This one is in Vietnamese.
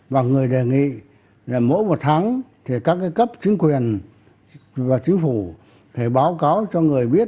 và người đề nghị là mỗi một tháng thì các cấp chính quyền và chính phủ phải báo cáo cho người biết